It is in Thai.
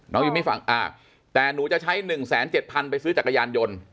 น้องยูมิฟังอ่าแต่หนูจะใช้หนึ่งแสนเจ็ดพันไปซื้อจักรยานยนต์